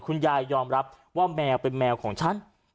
ยอมรับว่าแมวเป็นแมวของฉัน